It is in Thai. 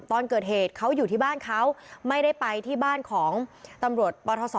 ตอนเกิดเหตุเขาอยู่ที่บ้านเขาไม่ได้ไปที่บ้านของตำรวจปทศ